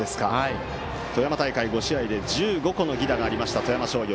富山大会５試合で１５個の犠打がありました富山商業。